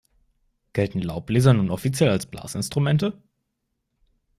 Gelten Laubbläser nun offiziell als Blasinstrumente?